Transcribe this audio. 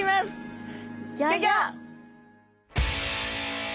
ギョギョ！